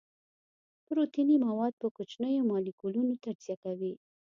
پروتیني مواد په کوچنیو مالیکولونو تجزیه کوي.